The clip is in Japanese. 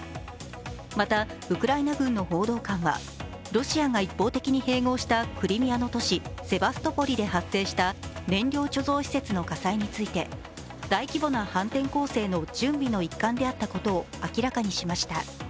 また、ウクライナ軍の報道官はロシアが一方的に併合したクリミアの都市・セバストポリで発生した燃料貯蔵施設の火災について大規模な反転攻勢の準備の一環であったことを明らかにしました。